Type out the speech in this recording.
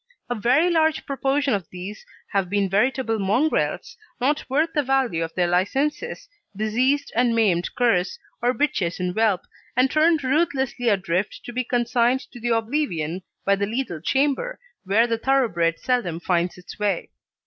A very large proportion of these have been veritable mongrels, not worth the value of their licences diseased and maimed curs, or bitches in whelp, turned ruthlessly adrift to be consigned to the oblivion of the lethal chamber, where the thoroughbred seldom finds its way.